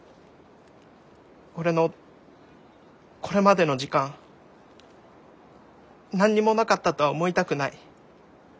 俺のこれまでの時間何にもなかったとは思いたくない。